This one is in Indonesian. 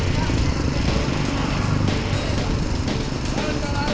gua mau ke sana